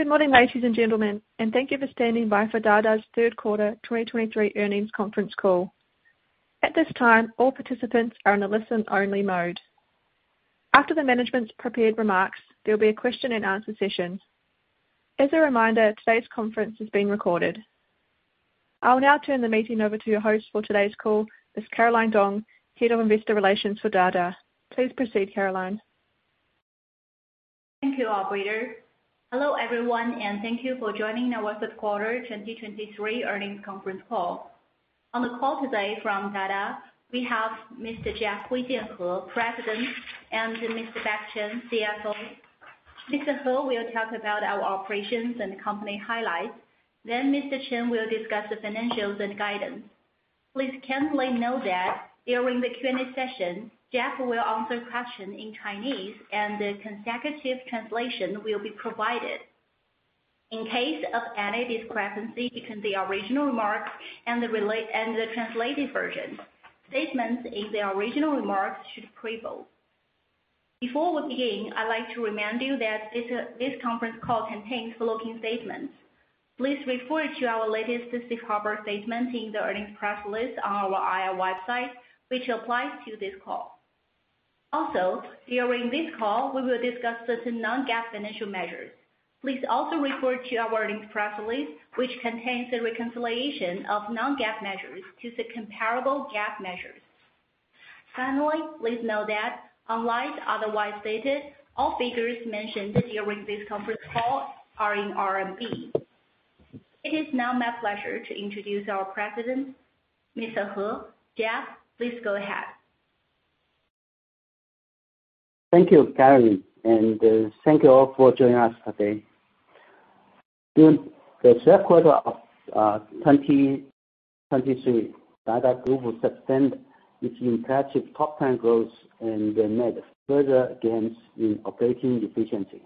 Good morning, ladies and gentlemen, and thank you for standing by for Dada's third quarter 2023 earnings conference call. At this time, all participants are in a listen-only mode. After the management's prepared remarks, there will be a question and answer session. As a reminder, today's conference is being recorded. I will now turn the meeting over to your host for today's call, Ms. Caroline Dong, Head of Investor Relations for Dada. Please proceed, Caroline. Thank you, operator. Hello, everyone, and thank you for joining our third quarter 2023 earnings conference call. On the call today from Dada, we have Mr. Jeff Huijian He, President, and Mr. Beck Chen, CFO. Mr. He will talk about our operations and company highlights, then Mr. Chen will discuss the financials and guidance. Please kindly note that during the Q&A session, Jeff will answer questions in Chinese, and the consecutive translation will be provided. In case of any discrepancy between the original remarks and the translated version, statements in the original remarks should prevail. Before we begin, I'd like to remind you that this conference call contains forward-looking statements. Please refer to our latest specific forward statement in the earnings press release on our IR website, which applies to this call. Also, during this call, we will discuss certain non-GAAP financial measures. Please also refer to our earnings press release, which contains a reconciliation of Non-GAAP measures to the comparable GAAP measures. Finally, please note that unless otherwise stated, all figures mentioned during this conference call are in RMB. It is now my pleasure to introduce our president, Mr. He. Jeff, please go ahead. Thank you, Caroline, and thank you all for joining us today. In the third quarter of 2023, Dada Group sustained its impressive top-line growth, and made further gains in operating efficiency.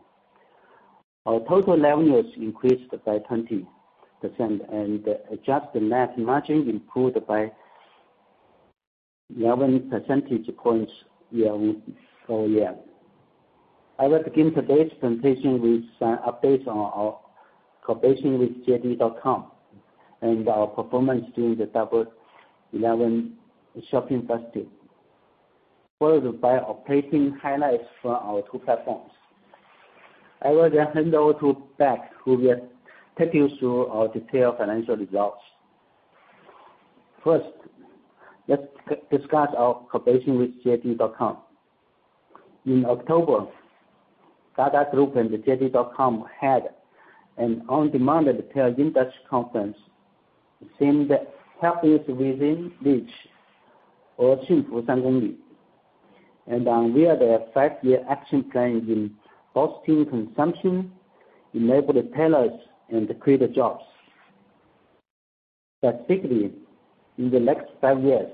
Our total revenues increased by 20%, and adjusted net margin improved by 11 percentage points year-over-year. I will begin today's presentation with some updates on our cooperation with JD.com and our performance during the Double Eleven shopping festival, followed by operating highlights from our two platforms. I will then hand over to Beck, who will take you through our detailed financial results. First, let's discuss our cooperation with JD.com. In October, Dada Group and JD.com had an on-demand retail industry conference, themed Happiness Within Reach, or 幸福三公 里, and unveiled a five-year action plan in boosting consumption, enable the retailers, and create jobs. Specifically, in the next 5 years,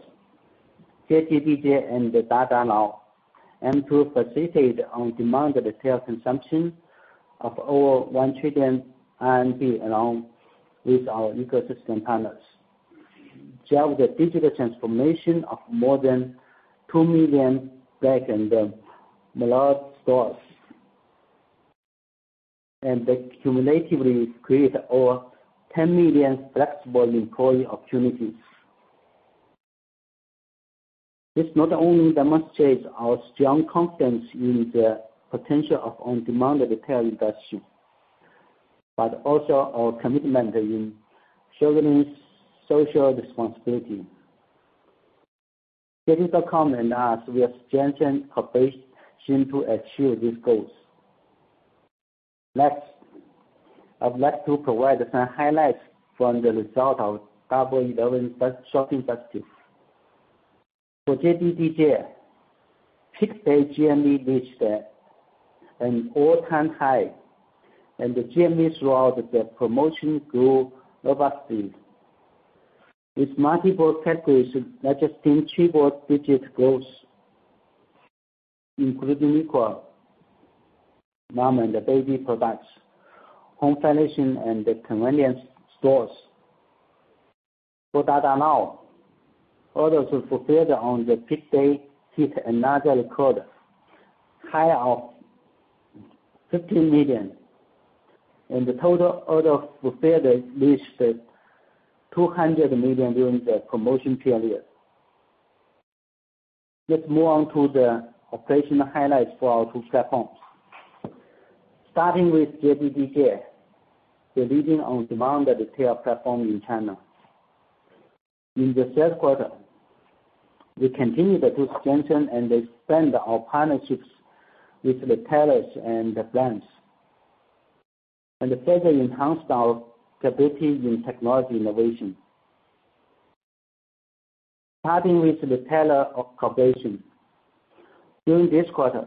JDDJ and Dada Now aim to facilitate on-demand retail consumption of over 1 trillion RMB, along with our ecosystem partners, drive the digital transformation of more than 2 million brick-and-mortar stores, and cumulatively create over 10 million flexible employee opportunities. This not only demonstrates our strong confidence in the potential of on-demand retail industry, but also our commitment in fulfilling social responsibility. JD.com and us, we are strengthening cooperation to achieve these goals. Next, I'd like to provide some highlights from the result of Double Eleven best shopping festival. For JDDJ, peak day GMV reached an all-time high, and the GMV throughout the promotion grew rapidly, with multiple categories registering triple digit growth, including liquor, mom and baby products, home furnishing and convenience stores. For Dada Now, orders fulfilled on the peak day hit another record high of 15 million, and the total order fulfilled reached 200 million during the promotion period. Let's move on to the operational highlights for our two platforms. Starting with JDDJ, the leading on-demand retail platform in China. In the third quarter, we continued to strengthen and expand our partnerships with retailers and brands, and further enhanced our capabilities in technology innovation. Starting with retailer cooperation. During this quarter,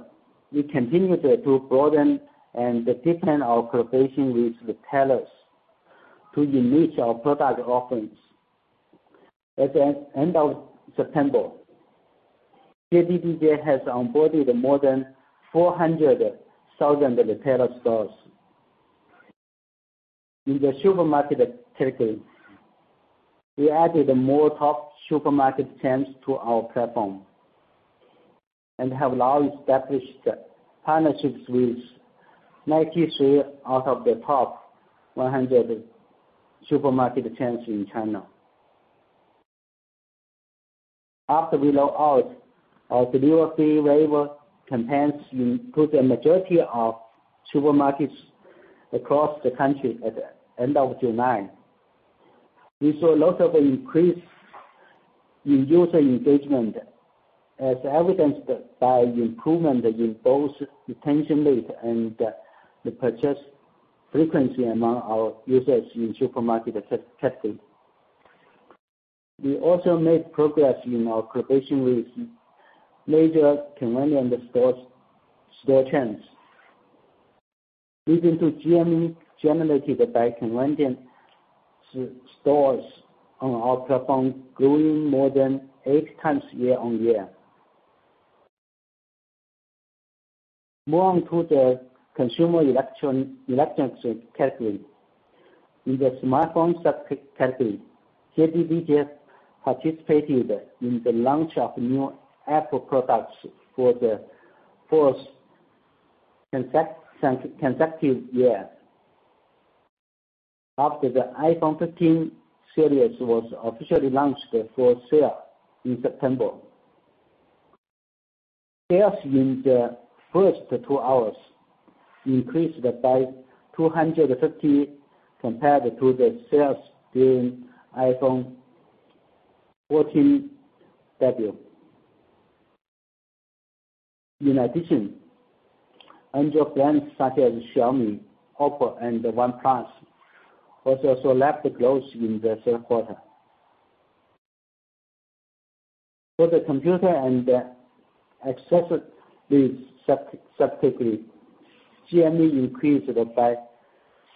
we continued to broaden and deepen our cooperation with retailers to enrich our product offerings. At the end of September, JDDJ has onboarded more than 400,000 retailer stores. In the supermarket category, we added more top supermarket chains to our platform and have now established partnerships with 93 out of the top 100 supermarket chains in China. After we roll out our delivery free waiver campaigns to the majority of supermarkets across the country at the end of July, we saw a lot of increase in user engagement, as evidenced by improvement in both retention rate and the purchase frequency among our users in supermarket category. We also made progress in our cooperation with major convenience stores, store chains. Leading to GMV generated by convenience stores on our platform, growing more than 8x year-on-year. Moving on to the consumer electronics category. In the smartphone subcategory, JDDJ participated in the launch of new Apple products for the fourth consecutive year. After the iPhone 15 series was officially launched for sale in September. Sales in the first two hours increased by 250% compared to the sales during iPhone 14 debut. In addition, Android brands such as Xiaomi, OPPO, and OnePlus also saw rapid growth in the third quarter. For the computer and accessories sub-category, GMV increased by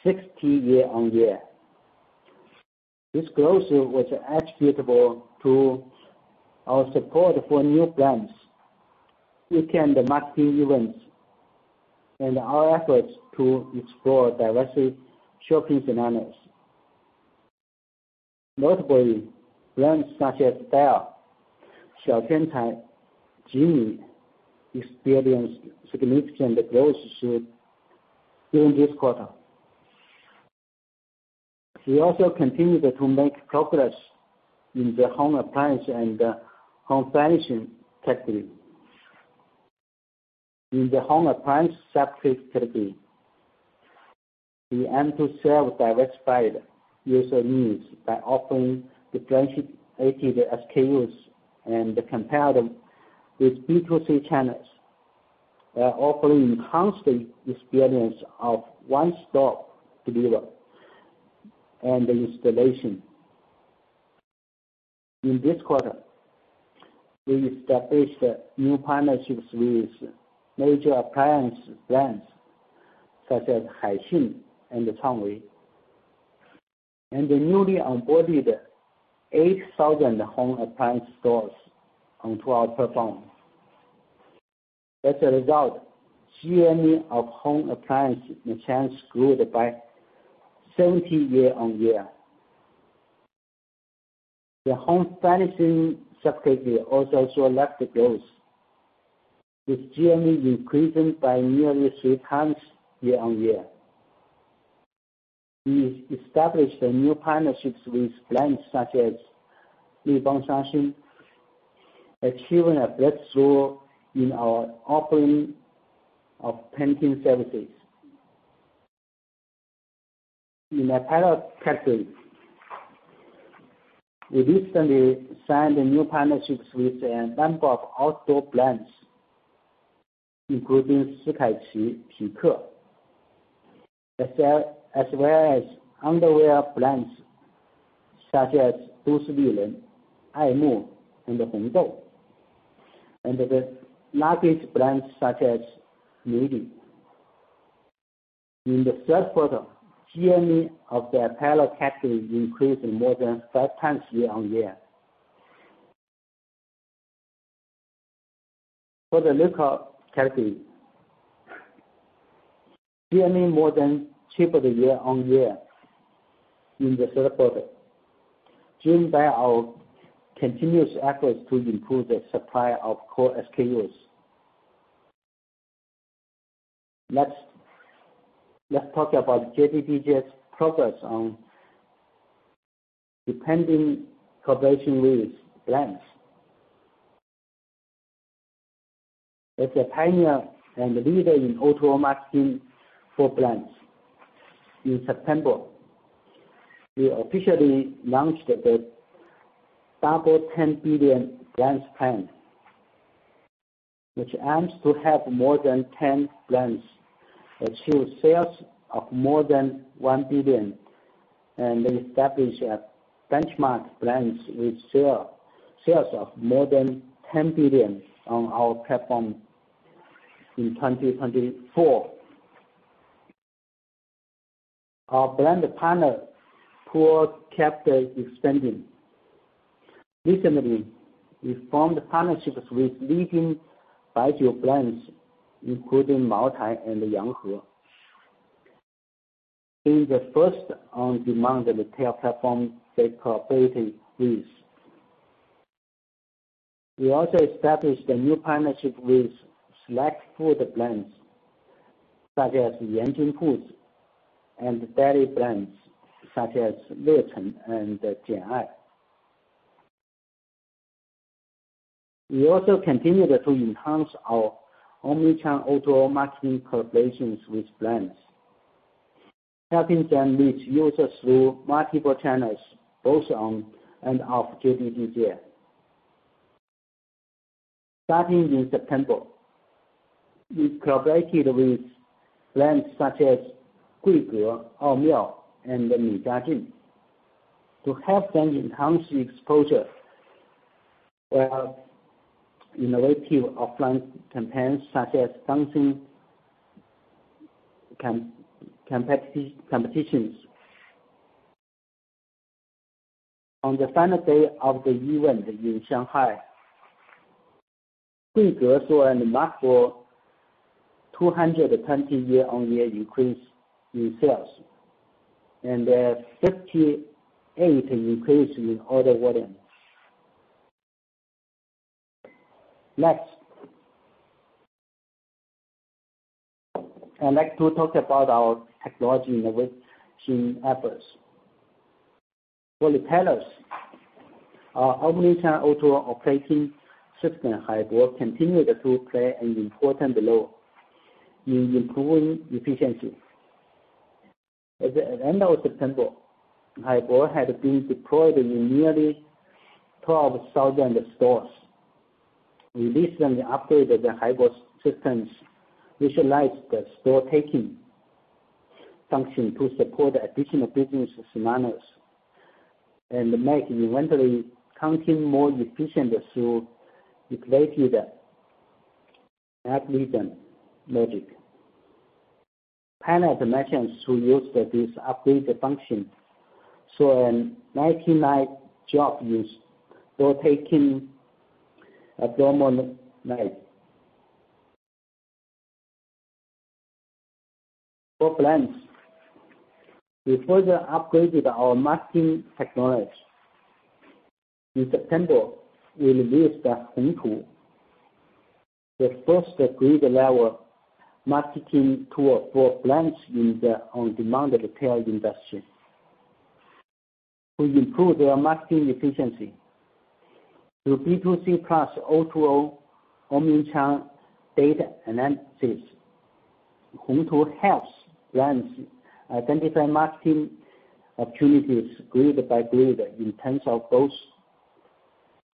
60% year-over-year. This growth was attributable to our support for new brands, weekend marketing events, and our efforts to explore diverse shopping scenarios. Notably, brands such as Dell, Xiao Tian Cai, XGIMI, experienced significant growth during this quarter. We also continued to make progress in the home appliance and home furnishing category. In the home appliance subcategory, we aim to serve diversified user needs by offering differentiated SKUs and compare them with B2C channels, while offering enhanced experience of one-stop delivery and installation. In this quarter, we established new partnerships with major appliance brands such as Haier and Changhong, and newly onboarded 8,000 home appliance stores onto our platform. As a result, GMV of home appliance merchants grew by 70% year-over-year. The home furnishing subcategory also saw rapid growth, with GMV increasing by nearly three times year-on-year. We established new partnerships with brands such as Nippon Paint, Three Trees, achieving a breakthrough in our offering of painting services. In the pilot category, we recently signed new partnerships with a number of outdoor brands, including Skechers, Peak, as well as underwear brands such as Cosmo Lady, Aimu, and Hongdou, and the luggage brands such as Elle. In the third quarter, GMV of the apparel category increased more than five times year-on-year. For the local category, GMV more than tripled year-on-year in the third quarter, driven by our continuous efforts to improve the supply of core SKUs. Let's talk about JDDJ's progress on deepening cooperation with brands. As a pioneer and leader in auto marketing for brands, in September, we officially launched the Double Ten Billion Brands Plan, which aims to have more than 10 brands achieve sales of more than 1 billion, and establish benchmark brands with sales of more than 10 billion on our platform in 2024. Our brand partner pool kept expanding. Recently, we formed partnerships with leading baijiu brands, including Moutai and Yanghe, being the first on-demand retail platform they collaborated with. We also established a new partnership with select food brands, such as Yanjin Foods, and dairy brands, such as Lechun and Jian'ai. We also continued to enhance our omni-channel auto marketing collaborations with brands, helping them reach users through multiple channels, both on and off JDDJ. Starting in September, we collaborated with brands such as Quaker, Omo, and Magiclean to help them enhance the exposure of innovative offline campaigns, such as dancing competitions. On the final day of the event in Shanghai, Quaker saw a remarkable 200% year-on-year increase in sales, and 58% increase in order volume. Next. I'd like to talk about our technology innovation efforts. For retailers, our omni-channel auto operating system, Haibo, continued to play an important role in improving efficiency. At the end of September, Haibo had been deployed in nearly 12,000 stores. We recently updated the Haibo systems, which allows the store taking function to support additional business scenarios and make inventory counting more efficient through upgraded algorithm logic. Pilot merchants who used this upgraded function saw a 99% job use for taking a normal night. For brands, we further upgraded our marketing technology. In September, we released Hongtu, the first grid-level marketing tool for brands in the on-demand retail industry. To improve their marketing efficiency, through B2C plus O2O omni-channel data analysis, Hongtu helps brands identify marketing opportunities grid by grid in terms of both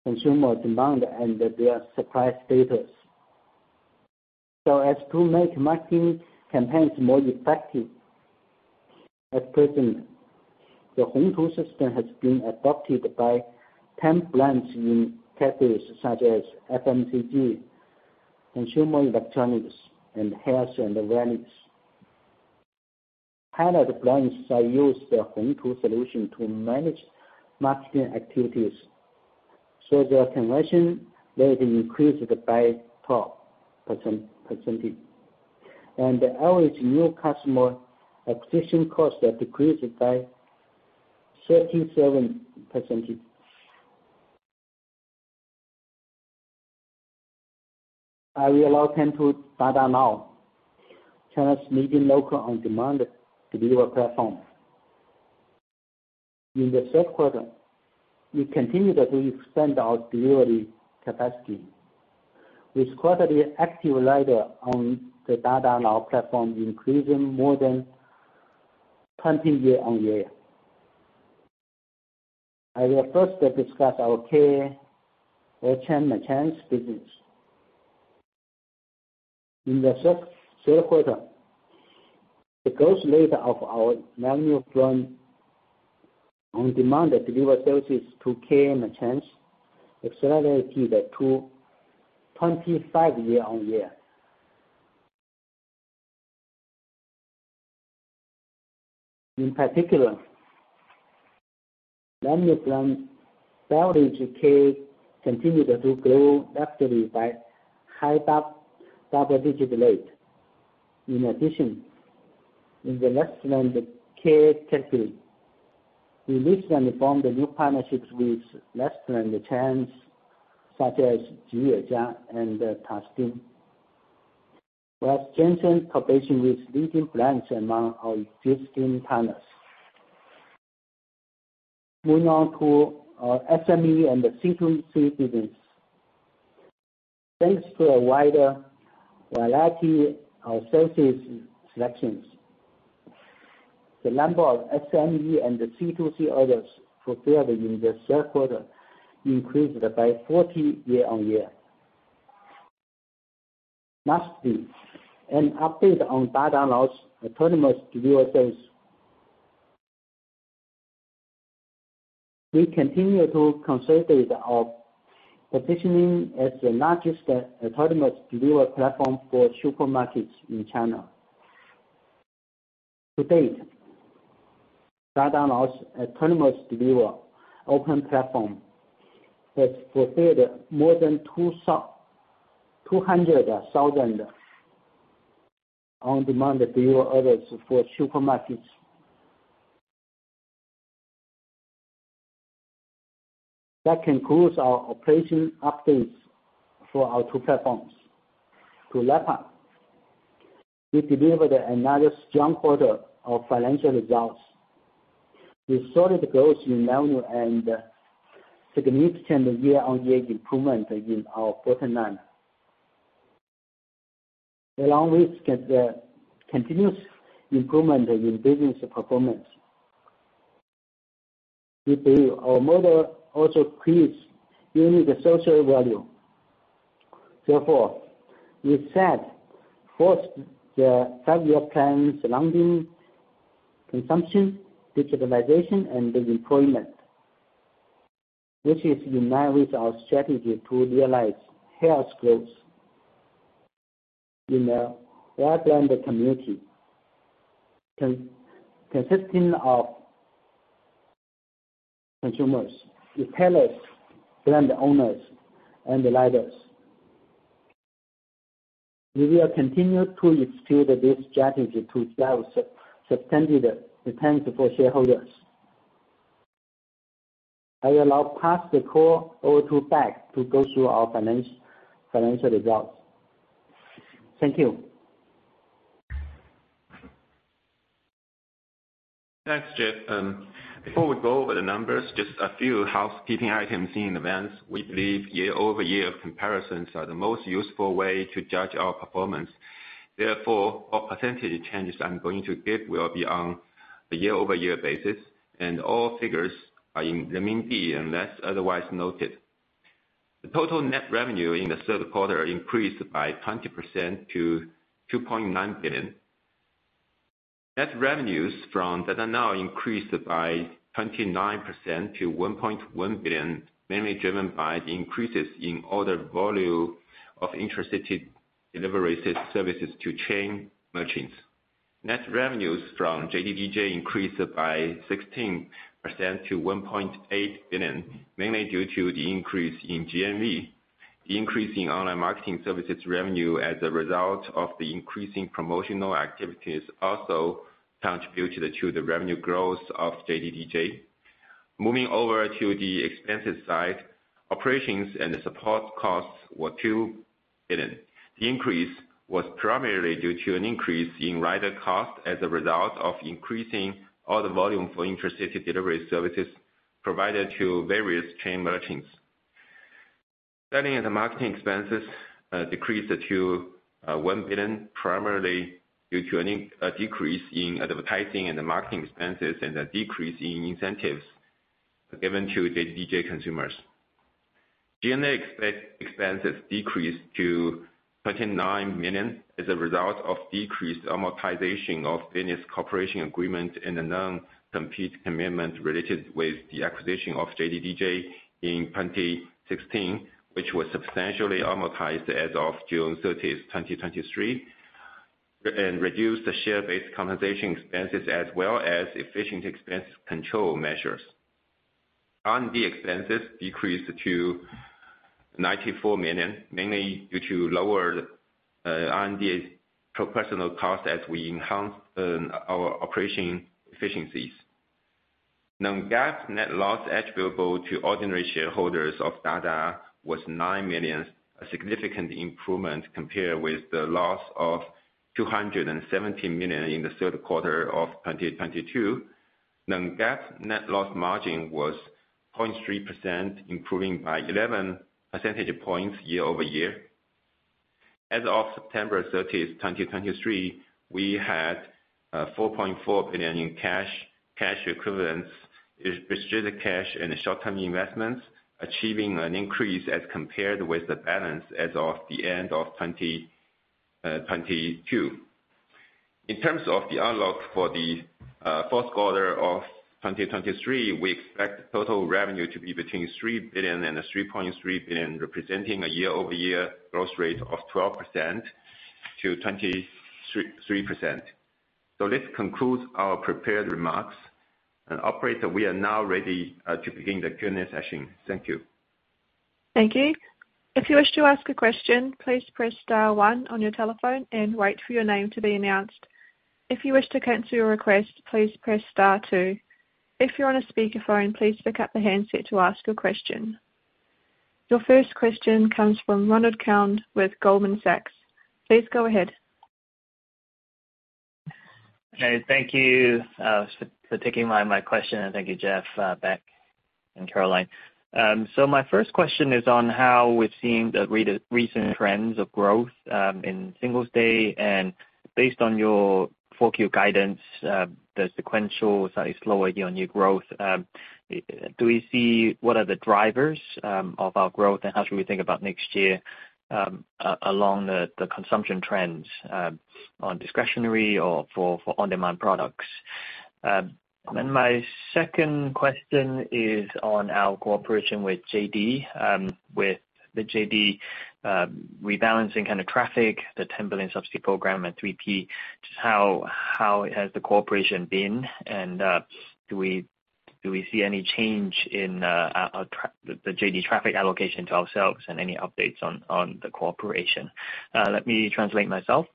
consumer demand and their supply status, so as to make marketing campaigns more effective. At present, the Hongtu system has been adopted by 10 brands in categories such as FMCG, consumer electronics, and health and wellness. Pilot brands that use the Hongtu solution to manage marketing activities, so their conversion rate increased by 12%, and the average new customer acquisition cost decreased by 37%. I will now turn to Dada Now, China's leading local on-demand delivery platform. In the third quarter, we continued to expand our delivery capacity, with quarterly active rider on the Dada Now platform increasing more than 20 year-on-year. I will first discuss our KA merchants business. In the third quarter, the growth rate of our revenue from on-demand delivery services to KA merchants accelerated to 25 year-on-year. In particular, revenue from beverage KA continued to grow rapidly by high double-digit rate. In addition, in the restaurant KA category, we recently formed new partnerships with restaurant chains, such as Jiyu and Tastien, while strengthening cooperation with leading brands among our existing partners. Moving on to our SME and the C2C business. Thanks to a wider variety of services selections, the number of SME and the C2C orders fulfilled in the third quarter increased by 40 year-on-year. Lastly, an update on Dada Now's autonomous delivery service. We continue to consolidate our positioning as the largest autonomous delivery platform for supermarkets in China. To date, Dada Now's autonomous delivery open platform has fulfilled more than 200,000 on-demand delivery orders for supermarkets. That concludes our operation updates for our two platforms. To wrap up, we delivered another strong quarter of financial results with solid growth in revenue and significant year-on-year improvement in our bottom line. Along with the continuous improvement in business performance, we believe our model also creates unique social value. Therefore, we set forth the five-year plan surrounding consumption, digitalization, and employment, which is in line with our strategy to realize health growth in a well-rounded community consisting of consumers, retailers, brand owners, and the like others. We will continue to execute this strategy to drive sustainable returns for shareholders. I will now pass the call over to Beck to go through our financial results. Thank you. Thanks, Jeff. Before we go over the numbers, just a few housekeeping items in advance. We believe year-over-year comparisons are the most useful way to judge our performance. Therefore, all percentage changes I'm going to give will be on a year-over-year basis, and all figures are in the renminbi, unless otherwise noted. The total net revenue in the third quarter increased by 20% to 2.9 billion. Net revenues from Dada Now increased by 29% to 1.1 billion, mainly driven by the increases in order volume of intracity delivery services to chain merchants. Net revenues from JDDJ increased by 16% to 1.8 billion, mainly due to the increase in GMV. The increase in online marketing services revenue as a result of the increasing promotional activities also contributed to the revenue growth of JDDJ. Moving over to the expenses side, operations and support costs were RMB 2 billion. The increase was primarily due to an increase in rider costs as a result of increasing all the volume for intracity delivery services provided to various chain merchants. Selling and marketing expenses decreased to 1 billion, primarily due to a decrease in advertising and marketing expenses and a decrease in incentives given to JDDJ consumers. G&A expenses decreased to 29 million as a result of decreased amortization of business cooperation agreement and a non-compete commitment related with the acquisition of JDDJ in 2016, which was substantially amortized as of June thirtieth, 2023, and reduced the share-based compensation expenses as well as efficient expense control measures. R&D expenses decreased to 94 million, mainly due to lower R&D professional costs as we enhance our operating efficiencies. Non-GAAP net loss attributable to ordinary shareholders of Dada was 9 million, a significant improvement compared with the loss of 270 million in the third quarter of 2022. Non-GAAP net loss margin was 0.3%, improving by 11 percentage points year-over-year. As of September 30, 2023, we had 4.4 billion in cash, cash equivalents, is restricted cash and short-term investments, achieving an increase as compared with the balance as of the end of 2022. In terms of the outlook for the fourth quarter of 2023, we expect total revenue to be between 3 billion and 3.3 billion, representing a year-over-year growth rate of 12% to 23.3%. This concludes our prepared remarks. Operator, we are now ready to begin the Q&A session. Thank you. Thank you. If you wish to ask a question, please press star one on your telephone and wait for your name to be announced. If you wish to cancel your request, please press star two. If you're on a speakerphone, please pick up the handset to ask your question. Your first question comes from Ronald Keung with Goldman Sachs. Please go ahead. Okay, thank you for taking my question, and thank you, Jeff, Beck and Caroline. So my first question is on how we're seeing the recent trends of growth in Singles Day, and based on your fourth quarter guidance, the sequential, slightly slower year-on-year growth. Do we see what are the drivers of our growth, and how should we think about next year, along the consumption trends, on discretionary or for on-demand products? Then my second question is on our cooperation with JD. With the JD rebalancing kind of traffic, the ten billion subsidy program and three P, just how has the cooperation been? And do we see any change in the JD traffic allocation to ourselves and any updates on the cooperation? Let me translate myself.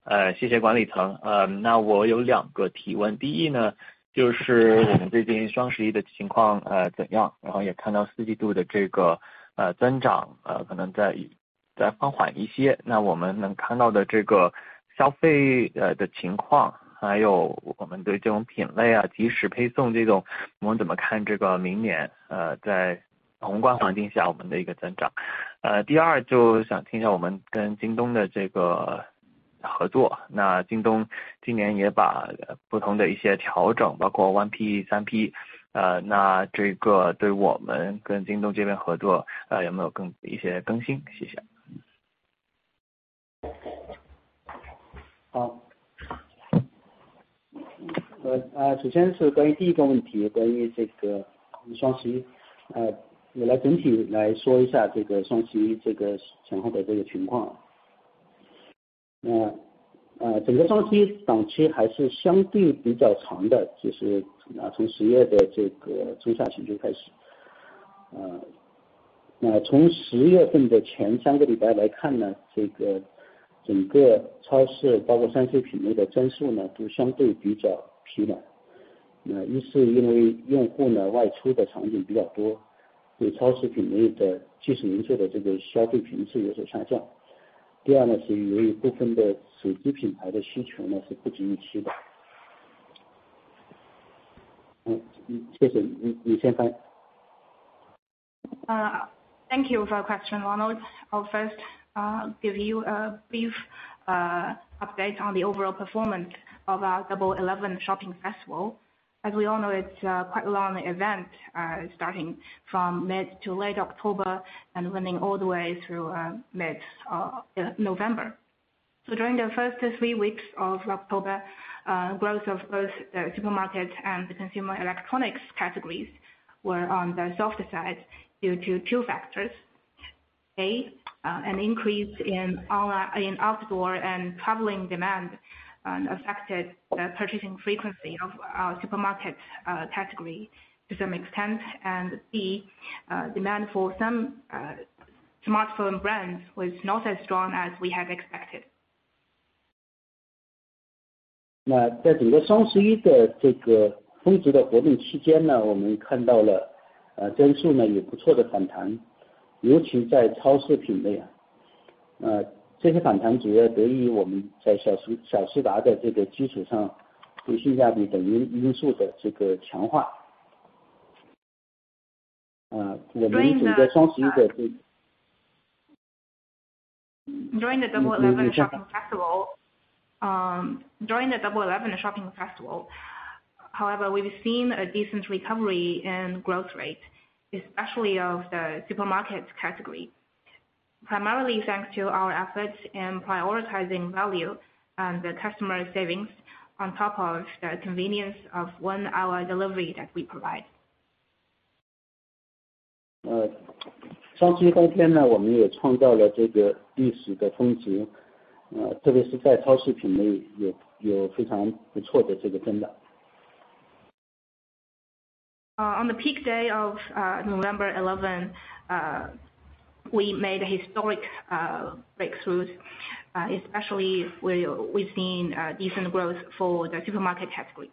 好。首先是关于第一个问题，关于这个双十一，我来整体说一下这个双十一前后的情况。整个双十一档期还是相对比较长的，就是啊，从十月的这个中下旬就开始。那从十月份的前三个礼拜来看呢，这个整个超市包括3C品类的增速呢，都相对比较疲软。那一是由于用户呢，外出的场景比较多，对超市品类的即时零售的这个消费频次有所下降。其次呢，是由于部分的手机品牌的需要呢，是不尽人意的。谢谢，你先翻译。Thank you for your question, Ronald. I'll first give you a brief update on the overall performance of our Double Eleven shopping festival. As we all know, it's quite a long event, starting from mid to late October and running all the way through mid November. So during the first three weeks of October, growth of both the supermarket and the consumer electronics categories were on the softer side due to two factors: A, an increase in our outdoor and traveling demand affected the purchasing frequency of our supermarkets category to some extent. And B, demand for some smartphone brands was not as strong as we had expected. 那在整个双十一的这个峰值的活动期间呢，我们看到了，增速呢也不错的反弹，尤其在超市品类。这些反弹主要得益于我们在小时达的基础上，提升价值等因素的这个强化。我们整个双十一的这- During the Double Eleven shopping festival, however, we've seen a decent recovery in growth rate, especially of the supermarket category, primarily thanks to our efforts in prioritizing value and the customer savings on top of the convenience of one-hour delivery that we provide. On Double Eleven that day, we also created this historical peak value, especially in the supermarket category, there is very good growth. On the peak day of November eleven, we made a historic breakthrough, especially where we've seen a decent growth for the supermarket category.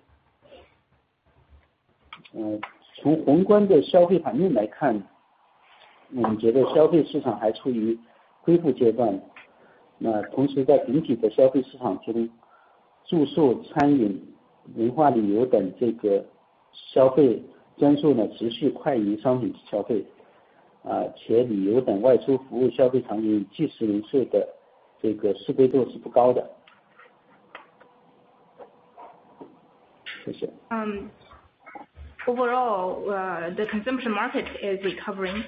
从宏观的消费环境来看，我们觉得消费市场还处于恢复阶段。那同时，在整体的消费市场中，住宿、餐饮、文化、旅游等这个消费专注呢，持续快于商品消费，啊，且旅游等外出服务消费场景，即时零售的这个适备度是不高的。谢谢。Overall, the consumption market is recovering.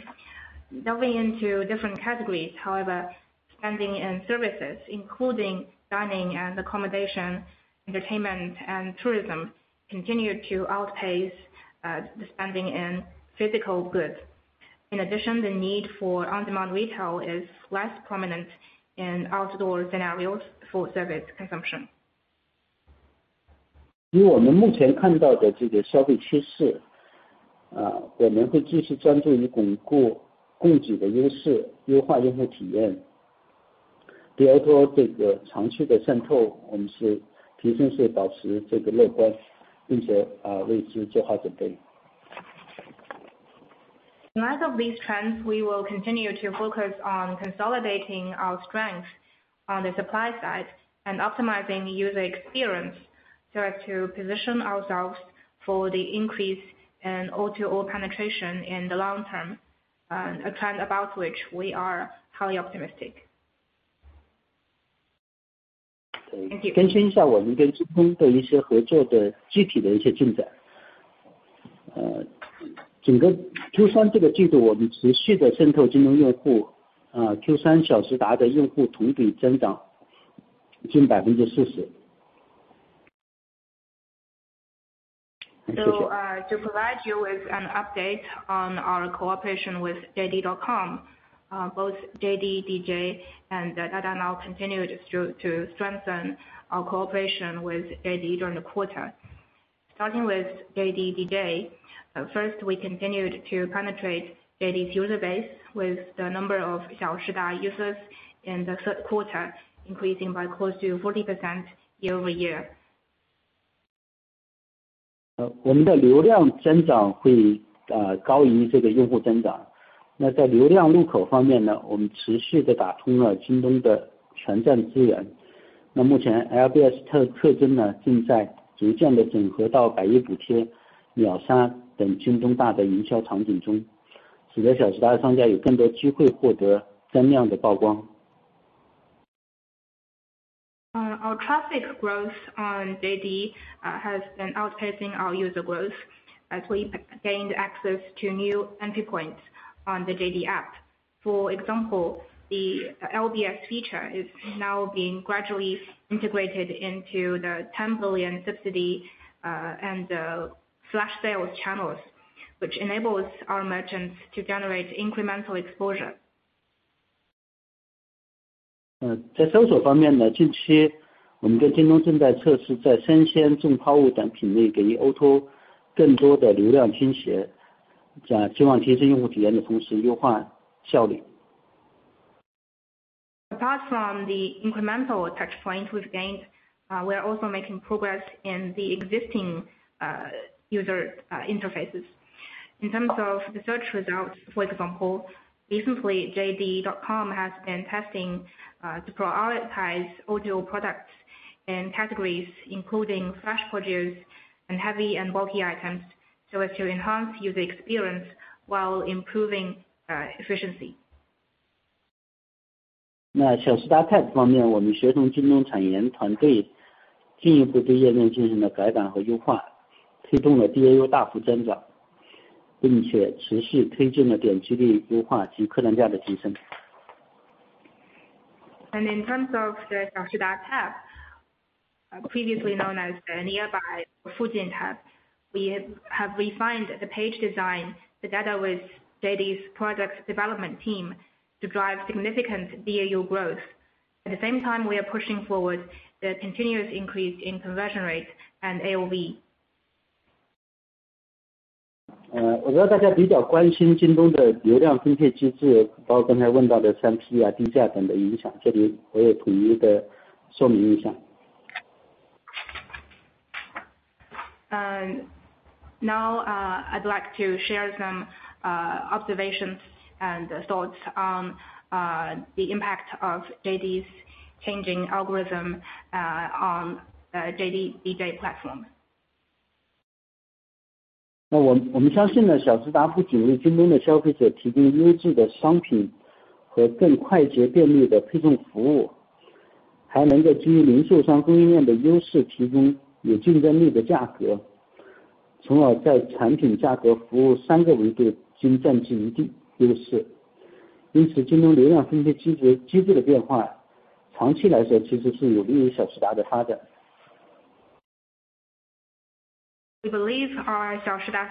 Delving into different categories, however, spending and services, including dining and accommodation, entertainment and tourism, continue to outpace the spending in physical goods. In addition, the need for on-demand retail is less prominent in outdoor scenarios for service consumption. 以我们目前看到这个消费趋势，啊，我们会继续专注于巩固供给的优势，优化用户体验，对于O2O这个长期的渗透，我们是提升是保持这个乐观，并且，啊，为此做好准备。In light of these trends, we will continue to focus on consolidating our strength on the supply side and optimizing the user experience, so as to position ourselves for the increase in O2O penetration in the long term, and a trend about which we are highly optimistic. Thank you. 更新一下我们跟京东的一些合作的具体的一些进展。整个third quarter这个季度，我们持续地渗透京东用户，third quarter小时达的用户同比增长近40%。谢谢。So, to provide you with an update on our cooperation with JD.com, both JDDJ and Dada Now continued to strengthen our cooperation with JD during the quarter... Starting with JDDJ. First, we continued to penetrate JD's user base with the number of Xiaoshida users in the third quarter, increasing by close to 40% year-over-year. 我们的流量增长会，高于这个用户增长。那在流量入口方面呢，我们持续地打通了京东的全站资源。那目前LBS特征呢，正在逐渐地整合到百亿补贴，秒杀等京东大的营销场景中，使得小京东商家有更多机会获得增量的曝光。Our traffic growth on JD has been outpacing our user growth as we gained access to new entry points on the JD app. For example, the LBS feature is now being gradually integrated into the 10 billion subsidy and flash sales channels, which enables our merchants to generate incremental exposure. 在搜索方面呢，近期我们跟京东正在测试，在生鲜、重货物等品类，给予O2O更多的流量倾斜，在希望提升用户体验的同时优化效率。Apart from the incremental touchpoint we've gained, we are also making progress in the existing user interfaces. In terms of the search results, for example, recently, JD.com has been testing to prioritize audio products and categories, including fresh produce and heavy and bulky items, so as to enhance user experience while improving efficiency. 那小诗达Tab方面，我们协同京东产研团队，进一步对页面进行了改版和优化，推动了DAU大幅增长，并且持续推进了点击率优化及客单价的提升。In terms of the Xiaoshida tab, previously known as the Nearby Fujin tab, we have refined the page design together with JD's product development team to drive significant DAU growth. At the same time, we are pushing forward the continuous increase in conversion rate and AOV. 我知道大家比较关心京东的流量分配机制，包括刚才问到的3P啊，低价等的影响，这里我也统一的说明一下。Now, I'd like to share some observations and thoughts on the impact of JD's changing algorithm on the JDDJ platform. 我们相信呢，小诗达不仅为京东的消费者提供优质的商品和更快捷便携的配送服务，还能够基于零售商供应链的优势，提供有竞争力的价格，从而在产品、价格、服务三个维度中占尽一席之地。因此，京东流量分配机制、机制的变化，长期来说，其实是有利于小诗达的发展。We believe our Xiaoshida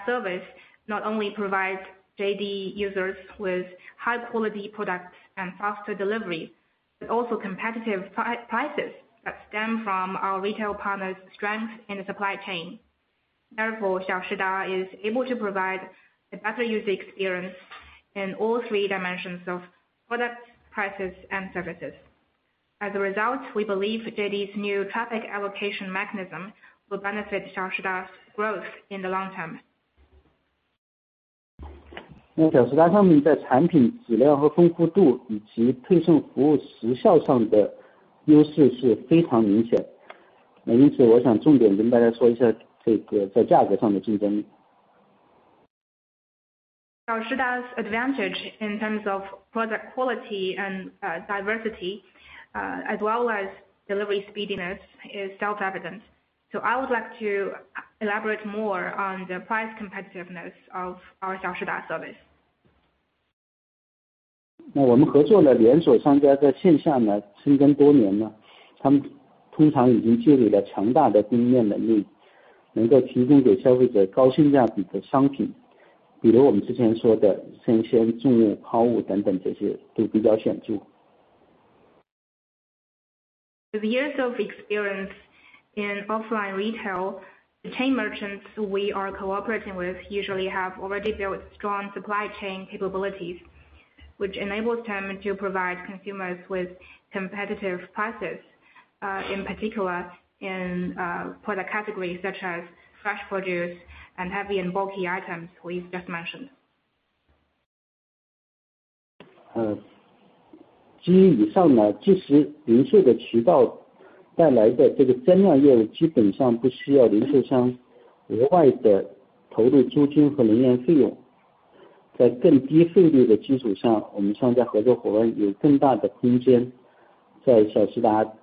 service not only provides JD users with high quality products and faster delivery, but also competitive prices that stem from our retail partners' strength in the supply chain. Therefore, Xiaoshida is able to provide a better user experience in all three dimensions of products, prices, and services. As a result, we believe JD's new traffic allocation mechanism will benefit Xiaoshida's growth in the long term. 那，Xiaoshida他们在产品质量和丰富度，以及配送服务时效上的优势是非常明显的。因此我想重点跟大家说一下，这个在价格上的竞争力。Xiaoshida's advantage in terms of product quality and diversity, as well as delivery speediness, is self-evident. So I would like to elaborate more on the price competitiveness of our Xiaoshida service. 那，我们合作的连锁商家，在线下呢，深耕多年了，他们通常已经建立了强大的供应链能力，能够提供给消费者高性价比的商品，比如我们之前说的生鲜、重物、抛物等等，这些都比较显著。With years of experience in offline retail, the chain merchants we are cooperating with usually have already built strong supply chain capabilities, which enables them to provide consumers with competitive prices, in particular, in product categories such as fresh produce and heavy and bulky items we've just mentioned. 基于以上呢，即使零售的渠道带来的这个增量业务，基本上不需要零售商额外的投入租金和人员费用。在更低费率的基础上，我们商家合作伙伴有更大的空间，在小池达这个业务上让利给消费者，从而提供更高性价比的商品。In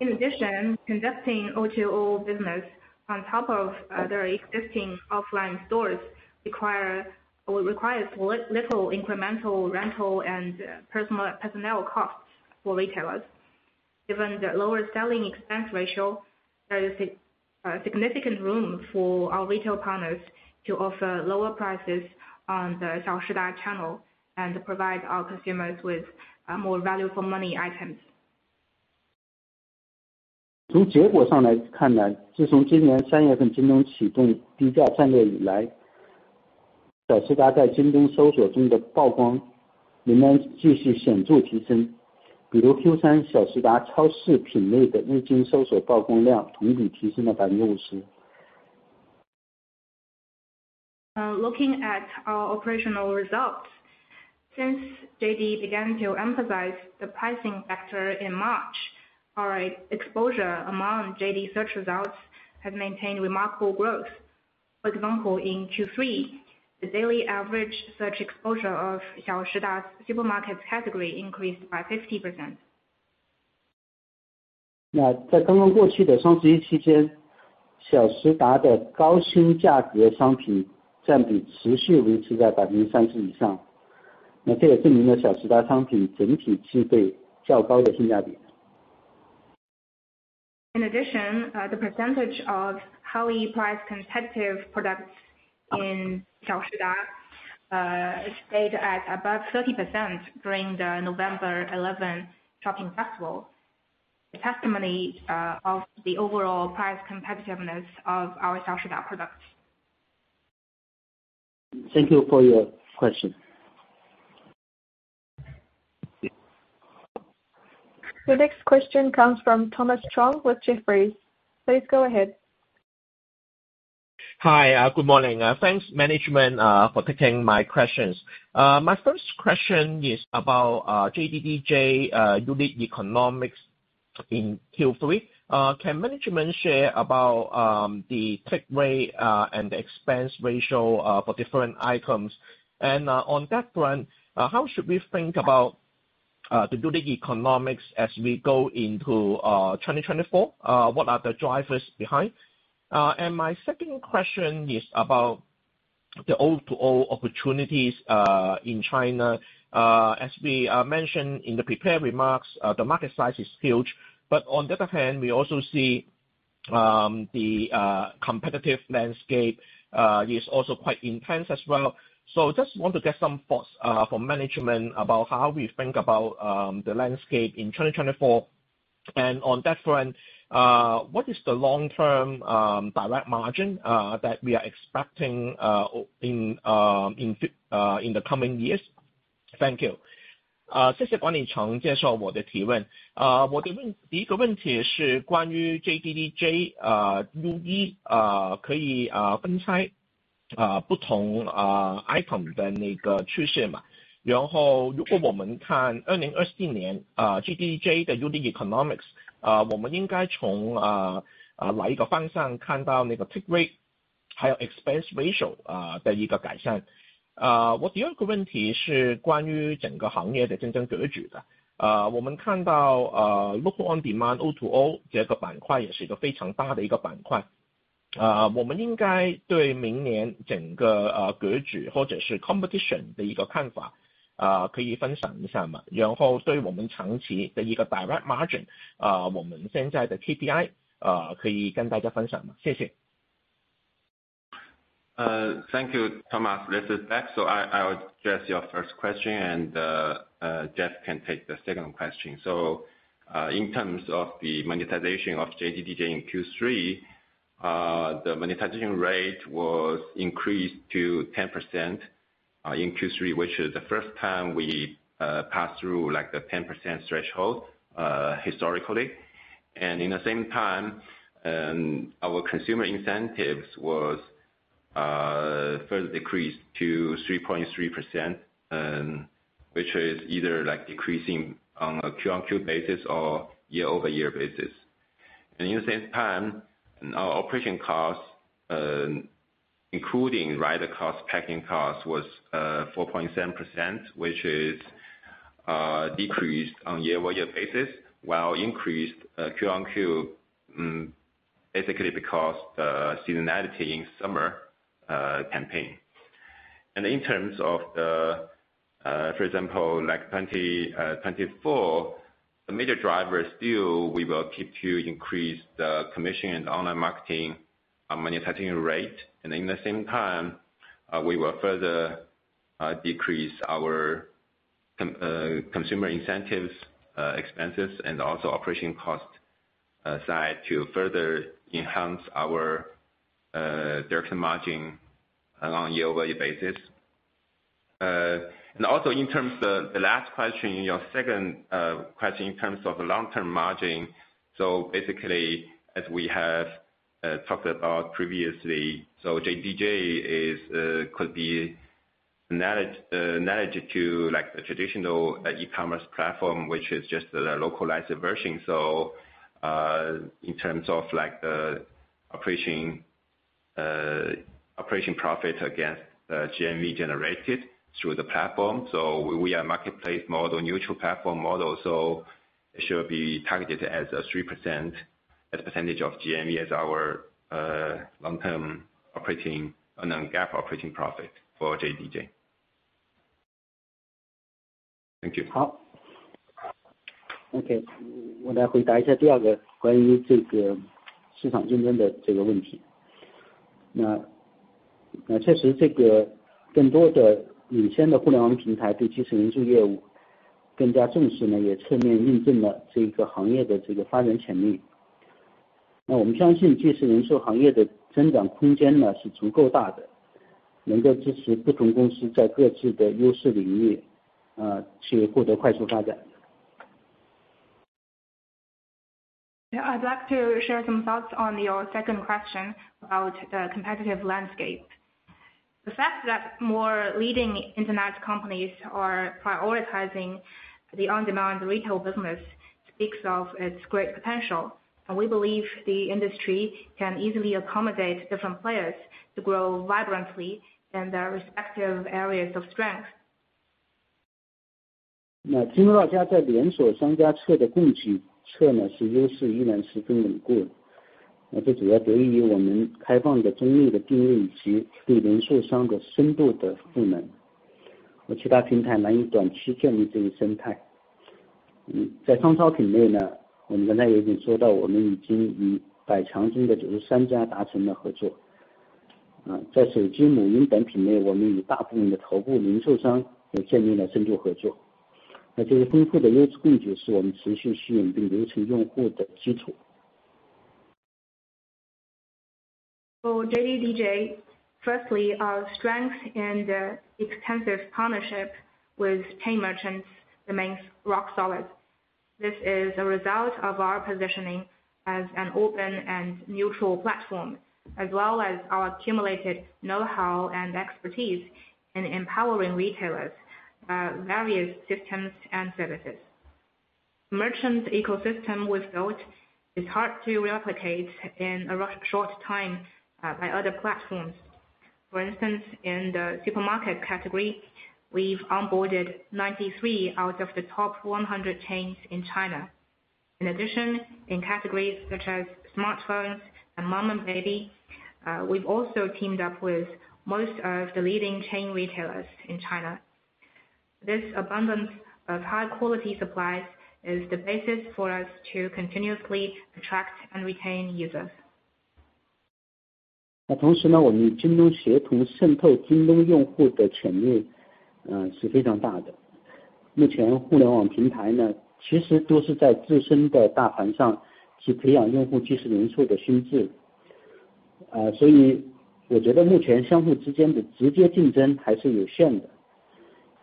addition, conducting O2O business on top of their existing offline stores requires little incremental rental and personnel costs for retailers. Given the lower selling expense ratio, there is significant room for our retail partners to offer lower prices on the Xiaoshida channel and provide our consumers with more value for money items. Looking at our operational results, since JD began to emphasize the pricing factor in March, our exposure among JD search results has maintained remarkable growth. For example, in third quarter, the daily average search exposure of Xiaoshida supermarket category increased by 50%. In addition, the percentage of highly priced competitive products in Xiaoshida stayed at above 30% during the November eleven shopping festival. A testimony of the overall price competitiveness of our Xiaoshida products. Thank you for your question. The next question comes from Thomas Chong with Jefferies. Please go ahead. Hi, good morning. Thanks, management for taking my questions. My first question is about JDDJ unit economics in third quarter. Can management share about the take rate and the expense ratio for different items? On that front, how should we think about the unit economics as we go into 2024? What are the drivers behind? My second question is about the O2O opportunities in China. As we mentioned in the prepared remarks, the market size is huge, but on the other hand, we also see the competitive landscape is also quite intense as well. So just want to get some thoughts from management about how we think about the landscape in 2024. On that front, what is the long-term direct margin that we are expecting in the coming years? Thank you. 谢谢管理层介绍我的提问。我的第一个问题是关于JDDJ的UE，可以拆分不同item的那个趋势吗。然后如果我们看2024年，JDDJ的unit economics，我们应该从哪个方向看到那个take rate，还有expense ratio的一个改善。我的第二个问题是关于整个行业的竞争格局的。我们看到，local on-demand O2O这个板块也是一个非常大的一个板块。我们应该对明年整个格局或者是competition的一个看法，可以分享一下吗？然后对我们长期的一个direct margin，我们现在的KPI，可以跟大家分享吗？谢谢。Thank you, Thomas. This is Beck. So I will address your first question, and Jeff can take the second question. So, in terms of the monetization of JDDJ in third quarter, the monetization rate was increased to 10% in third quarter, which is the first time we passed through, like, the 10% threshold historically. And in the same time, our consumer incentives was first decreased to 3.3%, which is either like decreasing on a Q-on-Q basis or year-over-year basis. And in the same time, our operation costs, including rider costs, packing costs, was 4.7%, which is decreased on year-over-year basis, while increased Q-on-Q, basically because seasonality in summer campaign. In terms of, for example, like 2024, the major drivers still, we will keep to increase the commission and online marketing monetizing rate. And in the same time, we will further decrease our consumer incentives expenses, and also operating cost side to further enhance our direct margin on a year-over-year basis. And also in terms of the last question, your second question in terms of long-term margin. So basically, as we have talked about previously, so JDDJ is could be managed to like a traditional e-commerce platform, which is just a localized version. So, in terms of like the operating, operating profit against, GMV generated through the platform, so we are a marketplace model, neutral platform model, so it should be targeted as a 3%, as a percentage of GMV as our, long term operating, non-GAAP operating profit for JDDJ. 好。OK，我来回答一下第二个关于这个市场竞争的这个问题。那，的确这个更多的领先的互联网平台对即时零售业务更加重视呢，也侧面印证了这个行业的这个发展潜力。那我们相信，即时零售行业的增长空间呢，是足够大的，能够支持不同公司在各自的优势领域，去获得快速发展。I'd like to share some thoughts on your second question about the competitive landscape. The fact that more leading internet companies are prioritizing the on-demand retail business, speaks of its great potential, and we believe the industry can easily accommodate different players to grow vibrantly in their respective areas of strength. For JDDJ, firstly, our strength and extensive partnership with chain merchants remains rock solid. This is a result of our positioning as an open and neutral platform, as well as our accumulated know-how and expertise in empowering retailers, various systems and services. Merchant ecosystem we've built is hard to replicate in a short time, by other platforms. For instance, in the supermarket category, we've onboarded 93 out of the top 100 chains in China. In addition, in categories such as smartphones and mom and baby, we've also teamed up with most of the leading chain retailers in China. This abundance of high quality supplies is the basis for us to continuously attract and retain users.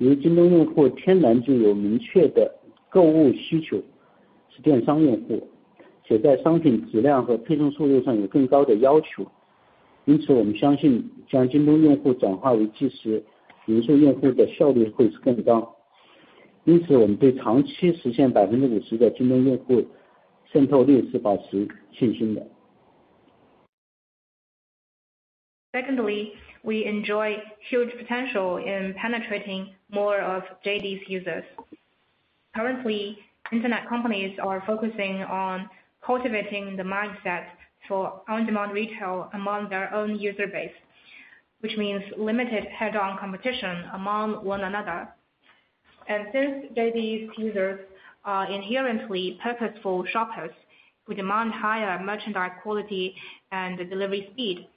那同时呢，我们京东协同渗透京东用户的潜力，是非常大的。目前互联网平台呢，其实都是在自身的大盘上去培养用户，即时零售的心智。所以我觉得目前相互之间的直接竞争还是有限的，因为京东用户自然就有明确的购物需求，是电商用户，且在商品质量和配送速度上有更高的要求，因此我们相信将京东用户转化为即时零售用户的效率会更高。因此，我们对长期实现50%的京东用户渗透率是保持信心的。Secondly, we enjoy huge potential in penetrating more of JD's users. Currently, Internet companies are focusing on cultivating the mindset for on-demand retail among their own user base, which means limited head on competition among one another. And since JD's users are inherently purposeful shoppers who demand higher merchandise quality and delivery speed,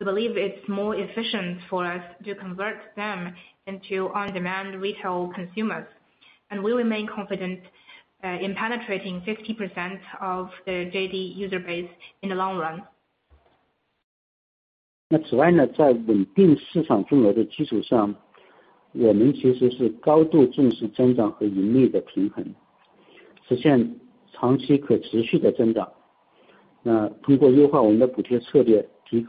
we believe it's more efficient for us to convert them into on-demand retail consumers, and we remain confident in penetrating 50% of the JD user base in the long run. 那此外呢，在稳定市场份额的基础上，我们其实是高度重视增长和盈利的平衡，实现长期可持续的增长。那通过优化我们的补贴策略，提高配送的效率，提高广线，广告变现的能力，京东到家盈利水平在过去实现持续改善，直至接近盈利。同时呢，基于相对竞争，针对显著更高的客单价和广告变现率，我们相信长期我们是具备更强的盈利能力的。And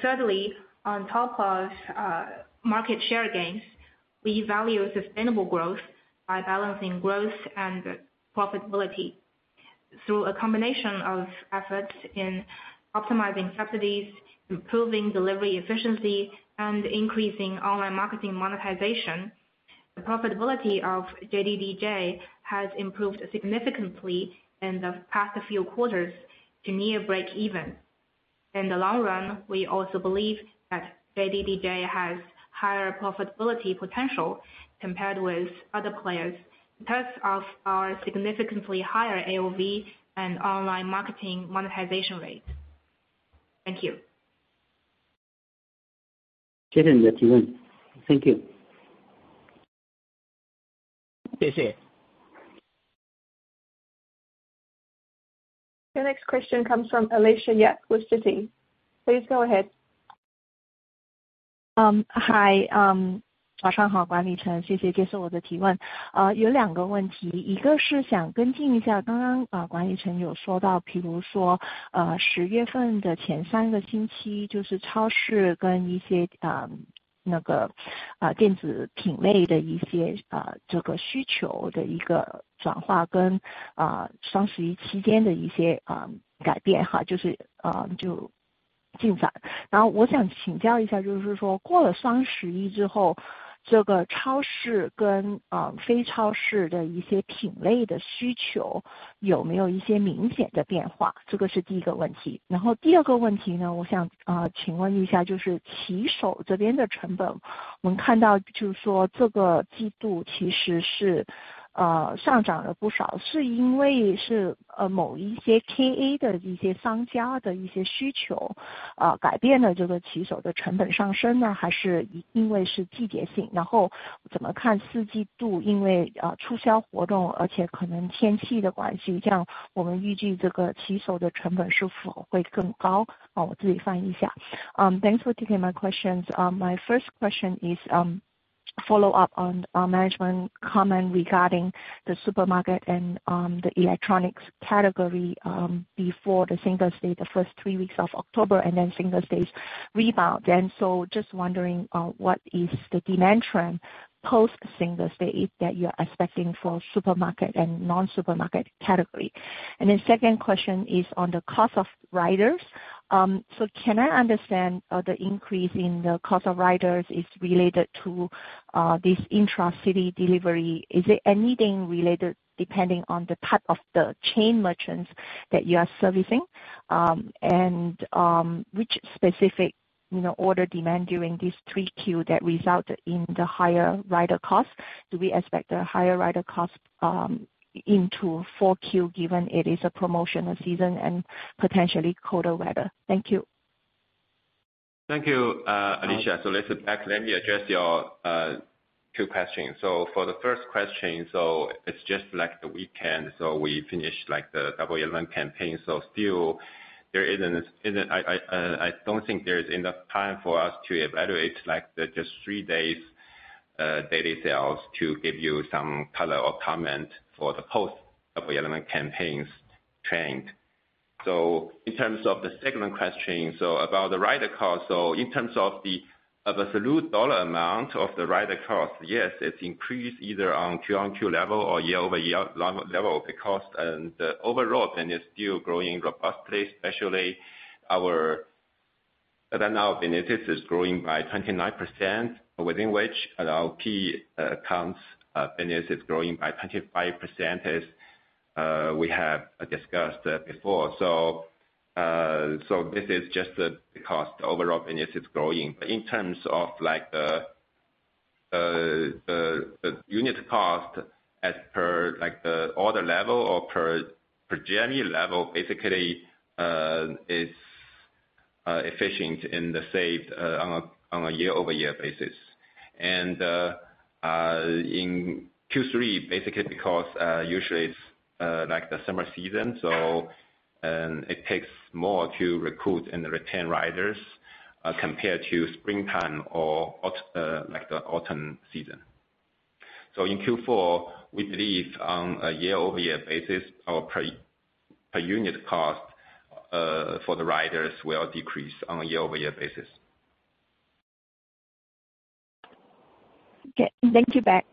thirdly, on top of market share gains, we value sustainable growth by balancing growth and profitability through a combination of efforts in optimizing subsidies, improving delivery efficiency, and increasing online marketing monetization. The profitability of JDDJ has improved significantly in the past few quarters to near break-even. In the long run, we also believe that JDDJ has higher profitability potential compared with other players, in terms of our significantly higher AOV and online marketing monetization rate. Thank you. Thank you. 谢谢。The next question comes from Alicia Yap with Citi. Please go ahead. 然后第二个问题呢，我想，请问一下，就是骑手这边的成本，我们看到就是说这个季度其实是，上涨了不少，是因为，某些KA的一些商家的一些需求，改变了，这个骑手的成本上升呢，还是因为是季节性？然后怎么看四季度，因为，促销活动，而且可能天气的关系，这样我们预计这个骑手的成本是否会更高？我自己翻译一下。Thanks for taking my questions. My first question is, follow up on, management comment regarding the supermarket and, the electronics category, before the Singles Day, the first three weeks of October, and then Singles Days rebound. And so just wondering, what is the demand trend post Singles Day that you're expecting for supermarket and non-supermarket category? And then second question is on the cost of riders. So can I understand, the increase in the cost of riders is related to, this intracity delivery? Is it anything related depending on the type of the chain merchants that you are servicing? And, which specific, you know, order demand during these 3Q that result in the higher rider cost? Do we expect a higher rider cost, into 4Q, given it is a promotional season and potentially colder weather? Thank you. Thank you, Alicia. So listen back, let me address your two questions. So for the first question, so it's just like the weekend, so we finished like the Double Eleven campaign. So still there isn't-- I don't think there is enough time for us to evaluate, like, the just three days daily sales to give you some color or comment for the post-Double Eleven campaigns trend. So in terms of the second question, so about the rider cost, so in terms of the absolute dollar amount of the rider cost, yes, it's increased either on Q-on-Q level or year-over-year level, because the overall trend is still growing robustly, especially our... Then now business is growing by 29%, within which our key accounts business is growing by 25%, as we have discussed before. So this is just the cost. Overall, business is growing. But in terms of like the unit cost as per, like the order level or per journey level, basically is efficient and the same on a year-over-year basis. And in third quarter, basically, because usually it's like the summer season, so it takes more to recruit and retain riders compared to springtime or aut- like the autumn season. So in fourth quarter, we believe on a year-over-year basis or per unit cost for the riders will decrease on a year-over-year basis. Okay, thank you, Beck.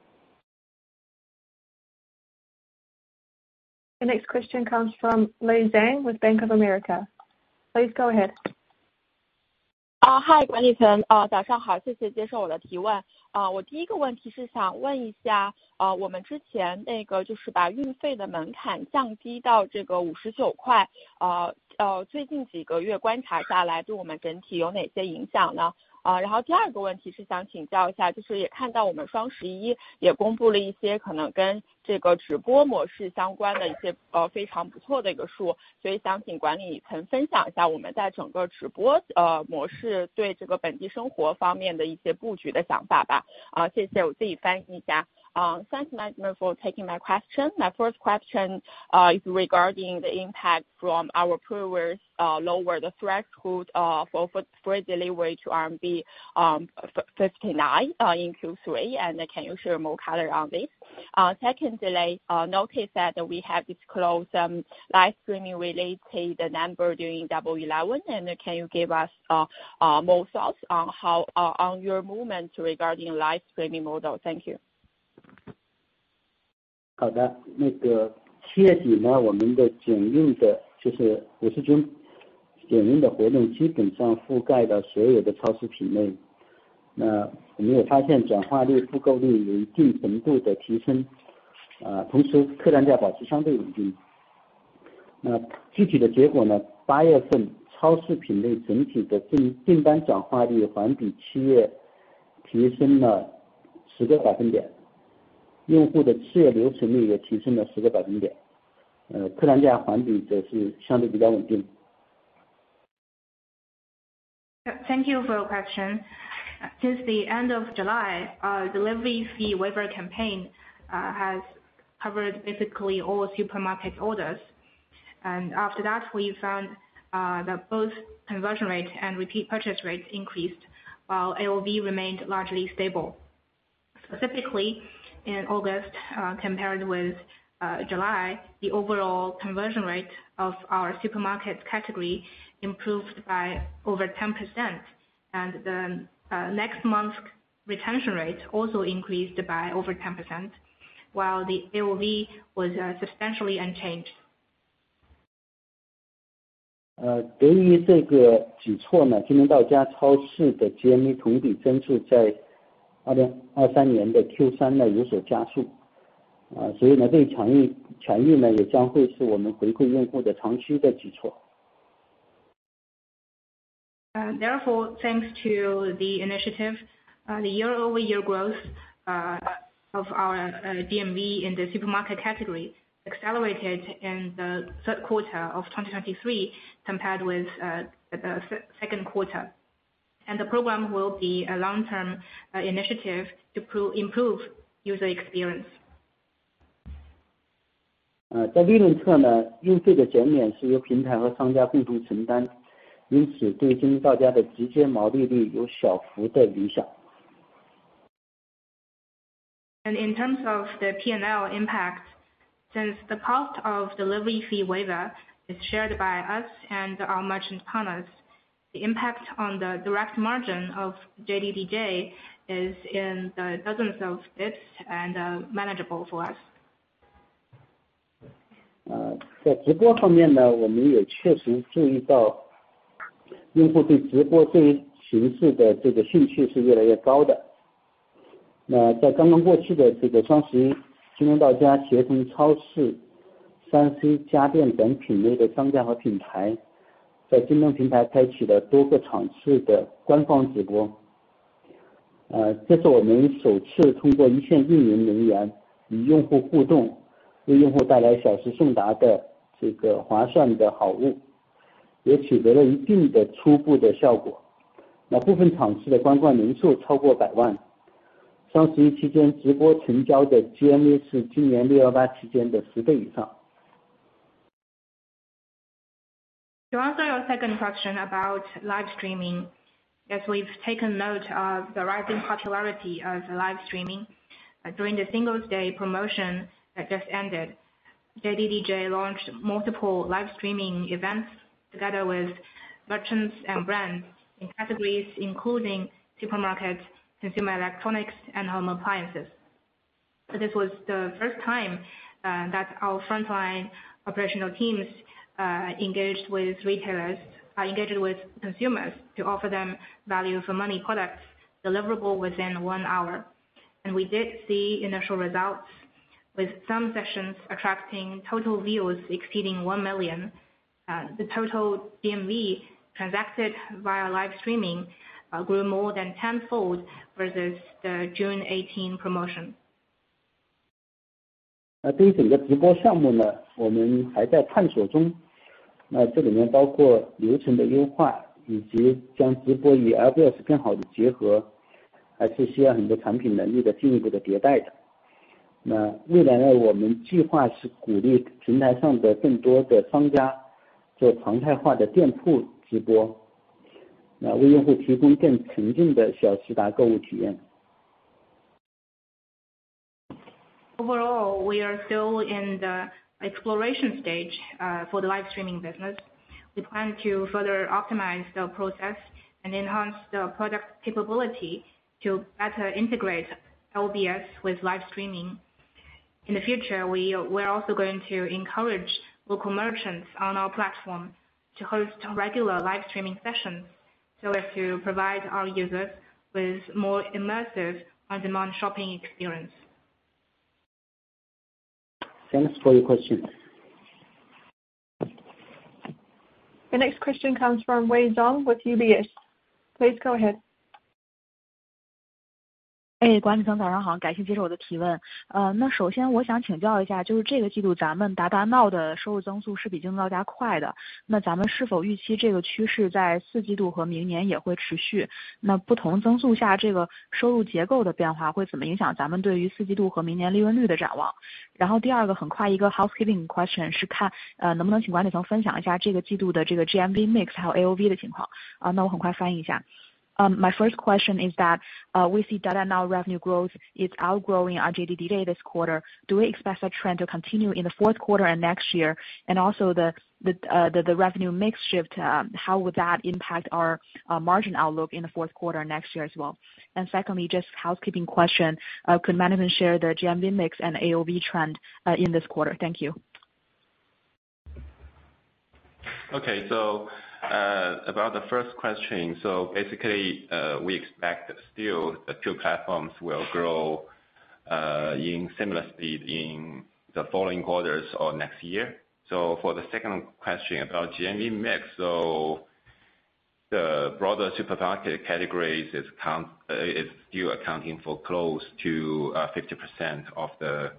The next question comes from Lei Zhang with Bank of America. Please go ahead. Hi, 管理层，早上好，谢谢接受我的提问。我第一个问题是想问一下，我们之前那个就是把运费的门槛降低到这个 RMB Thanks, management, for taking my question. My first question is regarding the impact from our previous lower the threshold for free delivery to RMB 59 in third quarter. Can you share more color on this? Secondly, notice that we have disclosed live streaming related number during Double Eleven. Can you give us more thoughts on how on your movement regarding live streaming model? Thank you. Thank you for your question. Since the end of July, delivery fee waiver campaign has covered basically all supermarket orders. After that, we found that both conversion rate and repeat purchase rates increased, while AOV remained largely stable. Specifically, in August, compared with July, the overall conversion rate of our supermarket category improved by over 10%, and the next month's retention rate also increased by over 10%, while the AOV was substantially unchanged. Uh. Therefore, thanks to the initiative, the year-over-year growth of our GMV in the supermarket category accelerated in the third quarter of 2023 compared with the second quarter. And the program will be a long-term initiative to improve user experience. Uh. And in terms of the P&L impact, since the cost of delivery fee waiver is shared by us and our merchant partners, the impact on the direct margin of JDDJ is in the dozens of basis points and manageable for us. Uh. To answer your second question about live streaming, yes, we've taken note of the rising popularity of live streaming. During the Singles' Day promotion that just ended, JDDJ launched multiple live streaming events together with merchants and brands in categories including supermarket, consumer electronics, and home appliances. So this was the first time that our frontline operational teams engaged with retailers, engaged with consumers to offer them value for money products deliverable within one hour. And we did see initial results, with some sessions attracting total viewers exceeding 1 million. The total GMV transacted via live streaming grew more than tenfold versus the June 18 promotion. Uh. Overall, we are still in the exploration stage for the live streaming business. We plan to further optimize the process and enhance the product capability to better integrate LBS with live streaming. In the future, we're also going to encourage local merchants on our platform to host regular live streaming sessions, so as to provide our users with more immersive on-demand shopping experience. Thanks for your question. The next question comes from Wei Xiong with UBS. Please go ahead. Hey, my first question is that we see Dada Now revenue growth is outgrowing our JDDJ this quarter. Do we expect that trend to continue in the fourth quarter and next year? And also, the revenue mix shift, how would that impact our margin outlook in the fourth quarter next year as well? And secondly, just housekeeping question. Could management share their GMV mix and AOV trend in this quarter? Thank you. Okay. So, about the first question, so basically, we expect still the two platforms will grow in similar speed in the following quarters or next year. So, for the second question about GMV mix, so the broader supermarket categories accounts for close to 50% of the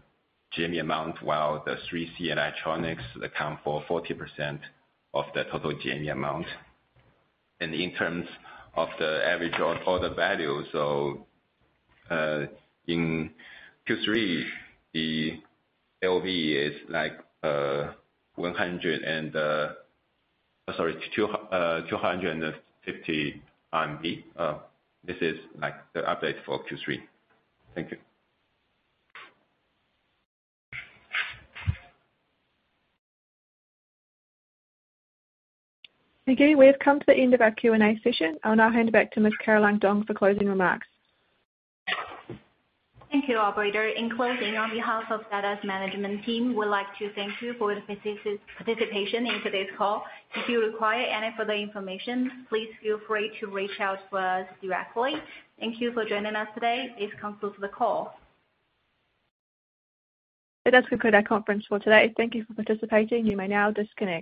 GMV amount, while the 3C and electronics account for 40% of the total GMV amount. And in terms of the average order value, so in third quarter, the AOV is like 250 RMB. This is like the update for third quarter. Thank you. Again, we have come to the end of our Q&A session. I'll now hand it back to Ms. Caroline Dong for closing remarks. Thank you, operator. In closing, on behalf of Dada's management team, we'd like to thank you for your participation in today's call. If you require any further information, please feel free to reach out to us directly. Thank you for joining us today. This concludes the call. That does conclude our conference for today. Thank you for participating. You may now disconnect.